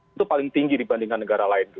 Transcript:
itu paling tinggi dibandingkan negara lain